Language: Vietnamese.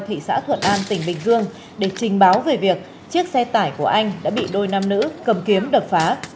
thị xã thuận an tỉnh bình dương để trình báo về việc chiếc xe tải của anh đã bị đôi nam nữ cầm kiếm đập phá